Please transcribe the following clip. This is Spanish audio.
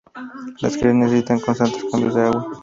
Las crías necesitan constantes cambios de agua.